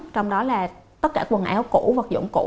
trong đó là tất cả quần áo cũ vật dụng cụ